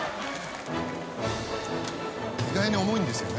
意外に重いんですよね